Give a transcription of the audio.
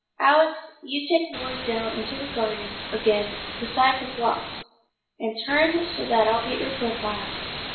Alex, you take Lloyd down into the garden again beside the phlox, and turn so that I'll get your profile.